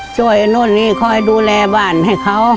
นู่นนี่คอยดูแลบ้านให้เขา